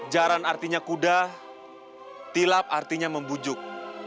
jaran artinya kuda tilap artinya membujuk